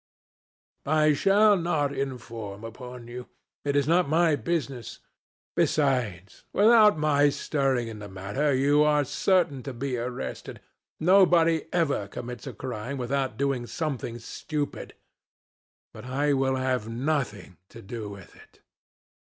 I shall not inform upon you. It is not my business. Besides, without my stirring in the matter, you are certain to be arrested. Nobody ever commits a crime without doing something stupid. But I will have nothing to do with it."